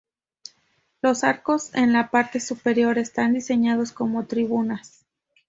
Los Arcos en la parte superior están diseñados como tribunas.